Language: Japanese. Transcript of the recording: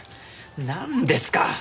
なんですか？